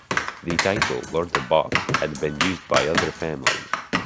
The title "Lord of Baux" had been used by other families.